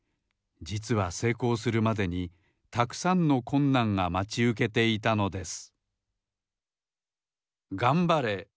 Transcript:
じつはせいこうするまでにたくさんのこんなんがまちうけていたのです